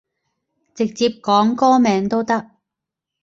直接講歌名都得